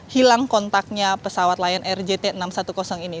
hilang kontaknya pesawat lion air jt enam ratus sepuluh ini